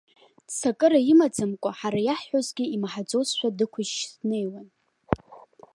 Ццакыра имаӡамкәа, ҳара иаҳҳәозгьы имаҳаӡозшәа, дықәышьшь днеиуан.